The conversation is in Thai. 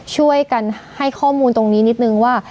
ช่วยกันให้ข้อมูลตรงนี้นิดนึงว่า